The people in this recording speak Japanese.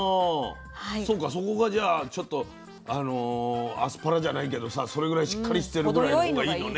そうかそこがじゃあちょっとあのアスパラじゃないけどさそれぐらいしっかりしてるぐらいの方がいいのね。